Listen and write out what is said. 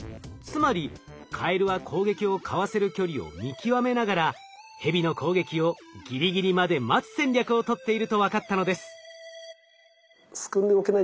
つまりカエルは攻撃をかわせる距離を見極めながらヘビの攻撃をギリギリまで待つ戦略をとっていると分かったのです。